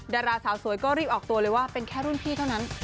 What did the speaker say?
ดาราสาวสวยก็รีบออกตัวเลยว่าเป็นแค่รุ่นพี่เท่านั้น